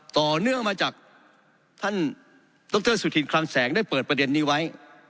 ต่อเนื่องมาจากท่านดรสุธินคลังแสงได้เปิดประเด็นนี้ไว้